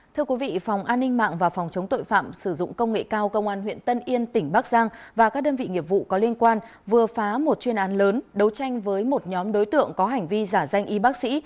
thưa quý vị phòng an ninh mạng và phòng chống tội phạm sử dụng công nghệ cao công an huyện tân yên tỉnh bắc giang và các đơn vị nghiệp vụ có liên quan vừa phá một chuyên án lớn đấu tranh với một nhóm đối tượng có hành vi giả danh y bác sĩ